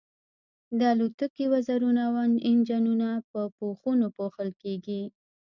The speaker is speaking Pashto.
د الوتکې وزرونه او انجنونه په پوښونو پوښل کیږي